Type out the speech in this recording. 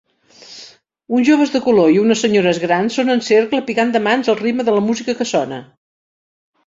Uns joves de color i unes senyores grans són en cercle picant de mans al ritme de la música que sona.